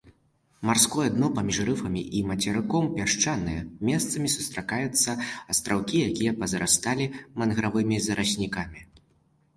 Марское дно паміж рыфам і мацерыком пясчанае, месцамі сустракаюцца астраўкі, якія пазарасталі мангравымі зараснікамі.